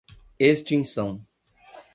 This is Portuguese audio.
extinção